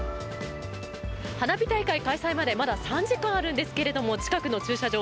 花火大会開催までまだ３時間あるんですけども近くの駐車場